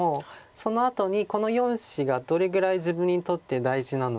そのあとにこの４子がどれぐらい自分にとって大事なのか。